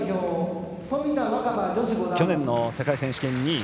去年の世界選手権、２位。